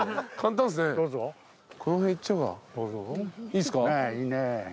いいね。